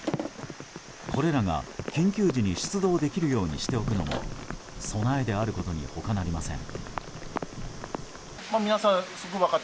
これらが緊急時に出動できるようにしておくのも備えであることに他なりません。